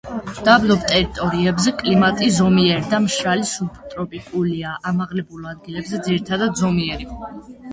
დაბლობ ტერიტორიებზე კლიმატი ზომიერი და მშრალი სუბტროპიკულია, ამაღლებულ ადგილებზე ძირითადად ზომიერი.